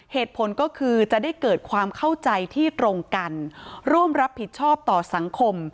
เหตุผลก็คือจะได้เกิดความเข้าใจที่ตรงกันร่วมรับผิดชอบต่อสังคม